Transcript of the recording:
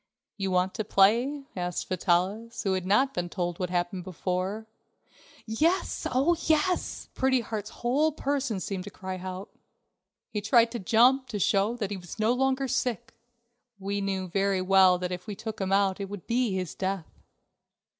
"You want to play?" asked Vitalis, who had not been told what happened before. "Yes, oh, yes!" Pretty Heart's whole person seemed to cry out. He tried to jump to show that he was no longer sick. We know very well that if we took him out it would be his death.